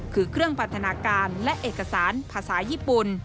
คือเครื่องพันธนาการและเอกสารภาษาญี่ปุ่น